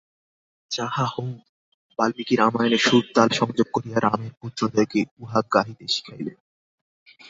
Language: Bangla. যাহা হউক, বাল্মীকি রামায়ণে সুর-তাল সংযোগ করিয়া রামের পুত্রদ্বয়কে উহা গাহিতে শিখাইলেন।